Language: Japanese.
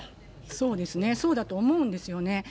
そうですね、そうだと思うんですよね。